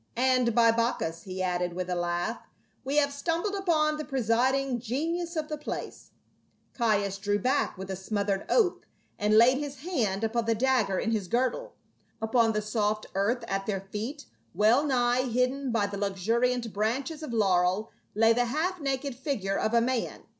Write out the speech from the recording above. "And, by Bacchus," he added with a laugh, " we have stumbled upon the presiding genius of the place." Caius drew back with a smothered oath and laid his THE SOOTHSA YER. 37 hand upon the dagger in his girdle. Upon the soft earth at their feet, well nigh hidden by the luxuriant branches of laurel lay the half naked figure of a man.